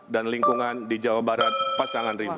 dan lingkungan di jawa barat pasangan rindu